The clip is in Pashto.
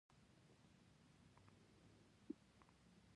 دوه نورې سندرې يې هم واورېدې.